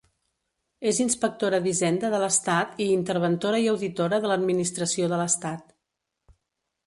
És inspectora d'hisenda de l'Estat i interventora i auditora de l'Administració de l'Estat.